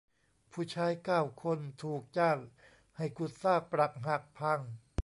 ผู้ชายเก้าคนถูกจ้างให้ขุดซากปรักหักพัง